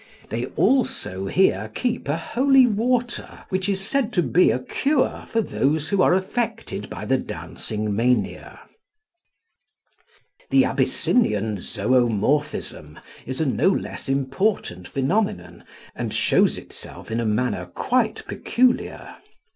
They also here keep a holy water, which is said to be a cure for those who are affected by the dancing mania. The Abyssinian Zoomorphism is a no less important phenomenon, and shows itself a manner quite peculiar.